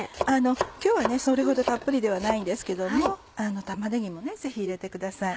今日はそれほどたっぷりではないんですけども玉ねぎもぜひ入れてください。